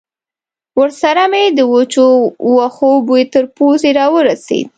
ورسره مې د وچو وښو بوی تر پوزې را ورسېد.